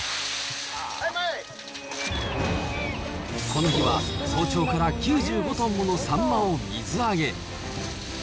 この日は早朝から９５トンものサンマを水揚げ。